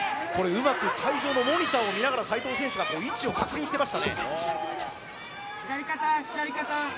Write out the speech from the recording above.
会場のモニターを見て斎藤選手が位置を確認していましたね。